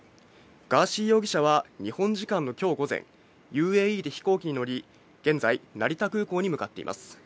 ガーシー容疑者は日本時間のきょう午前、ＵＡＥで飛行機に乗り、現在、成田空港に向かっています。